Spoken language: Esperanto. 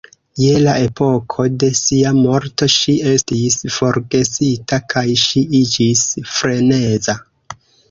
Je la epoko de sia morto ŝi estis forgesita kaj ŝi iĝis freneza.